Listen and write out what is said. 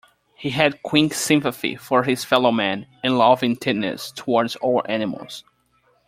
He had quick sympathy for his fellow-men, and loving tenderness towards all animals.